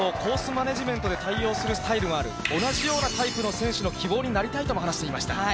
マネジメントで対応するスタイルもある、同じようなタイプの選手の希望になりたいとも話していました。